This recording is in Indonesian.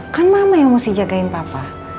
kan mama yang mesti jagain papa